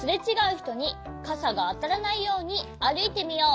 ひとにかさがあたらないようにあるいてみよう。